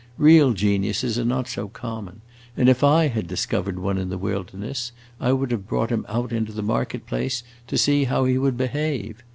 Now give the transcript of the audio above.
Real geniuses are not so common, and if I had discovered one in the wilderness, I would have brought him out into the market place to see how he would behave.